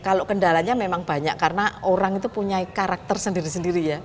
kalau kendalanya memang banyak karena orang itu punya karakter sendiri sendiri ya